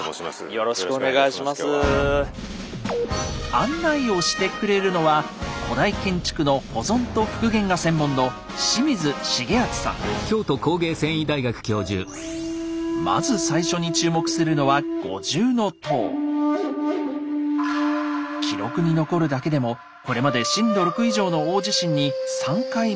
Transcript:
案内をしてくれるのは古代建築の保存と復元が専門のまず最初に注目するのは記録に残るだけでもこれまで震度６以上の大地震に３回見舞われています。